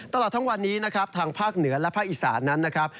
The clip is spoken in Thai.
ตลอดทั้งวันนี้นะครับทางภาคเหนือและภาคอีสานนั้นนะครับ